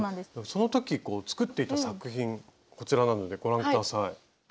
その時作っていた作品こちらなのでご覧下さい。